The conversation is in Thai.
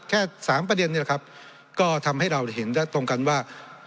แค่สามประเด็นนี่แหละครับก็ทำให้เราเห็นได้ตรงกันว่า